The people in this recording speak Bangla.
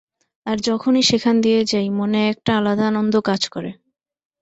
আর যখনই সেখান দিয়ে যাই, মনে একটা আলাদা আনন্দ কাজ করে।